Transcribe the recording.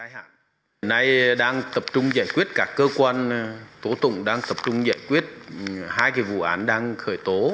hôm nay đang tập trung giải quyết các cơ quan tổ tụng đang tập trung giải quyết hai cái vụ án đang khởi tố